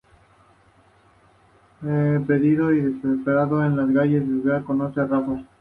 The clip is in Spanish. Perdido y desesperado en las calles de Bilbao, conoce a Rafa.